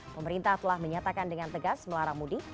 pemerintah telah menyatakan dengan tegas melarang mudik